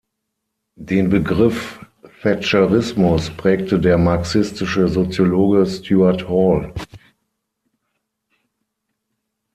Den Begriff "Thatcherismus" prägte der marxistische Soziologe Stuart Hall.